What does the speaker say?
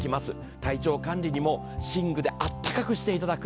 体調管理にも寝具であったかくしていただく。